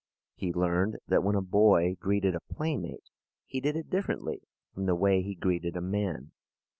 He learned that when a boy greeted a playmate he did it differently from the way he greeted a man.